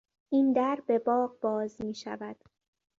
این در به باغ باز میشود.